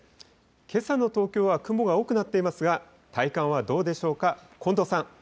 けさの東京は雲が多くなっていますが、体感はどうでしょうか。